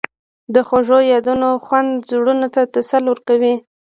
د خوږو یادونو خوند زړونو ته تسل ورکوي.